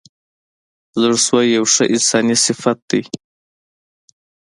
زړه سوی یو ښه انساني صفت دی.